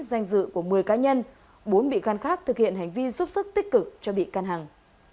danh dự của một mươi cá nhân bốn bị can khác thực hiện hành vi giúp sức tích cực cho bị căn hằng